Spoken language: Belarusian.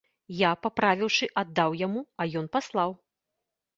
Я, паправіўшы, аддаў яму, а ён паслаў.